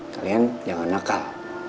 kalian jangan nakal